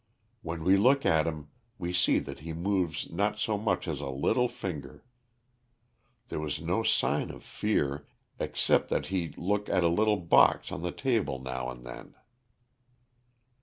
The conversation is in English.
When we look at him we see that he moves not so much as a little finger. There was no sign of fear, except that he look at a little box on the table now and then."